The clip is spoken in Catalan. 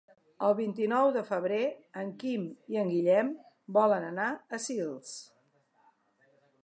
El vint-i-nou de febrer en Quim i en Guillem volen anar a Sils.